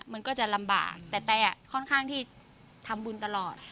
มันก็จะลำบากแต่แต่ค่อนข้างที่ทำบุญตลอด